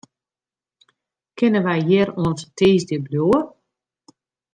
Kinne wy hjir oant tiisdei bliuwe?